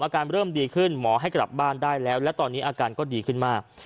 อาการเริ่มดีขึ้นหมอให้กลับบ้านได้แล้วและตอนนี้อาการก็ดีขึ้นมาก